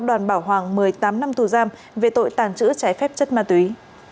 công an bảo hoàng một mươi tám năm tù giam về tội tàn trữ trái phép chất ma túy